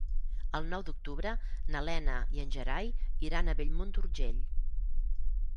El nou d'octubre na Lena i en Gerai iran a Bellmunt d'Urgell.